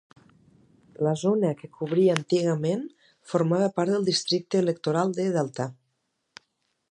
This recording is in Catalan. La zona que cobria antigament formava part del districte electoral de Delta.